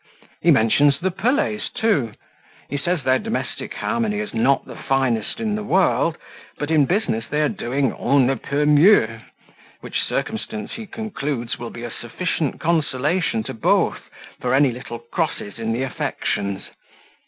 He mentions the Pelets too; he says their domestic harmony is not the finest in the world, but in business they are doing 'on ne peut mieux,' which circumstance he concludes will be a sufficient consolation to both for any little crosses in the affections.